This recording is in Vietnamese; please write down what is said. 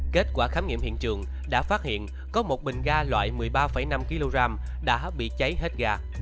kết quả khám nghiệm hiện trường đã phát hiện có một bình ga loại một mươi ba năm kg đã bị cháy hết gà